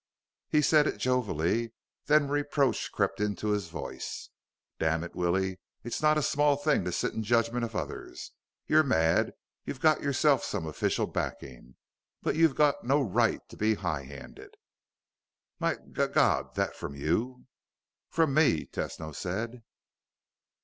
He said it jovially; then reproach crept into his voice. "Damn it, Willie, it's not a small thing to sit in judgment of others. You're mad. You've got yourself some official backing. But you've no right to be high handed." "My g god! That from you?" "From me," Tesno said.